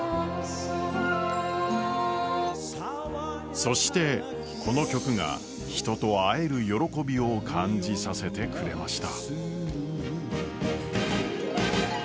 そしてこの曲が人と会える喜びを感じさせてくれました。